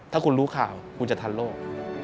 ถ้าคุณรู้ข่าวคุณจะทันโลก